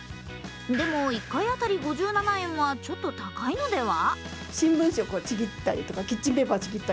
でも、１回当たり５７円はちょっと高いのでは？